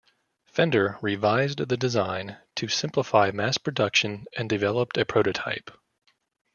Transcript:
Fender revised the design to simplify mass production and developed a prototype.